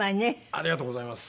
ありがとうございます。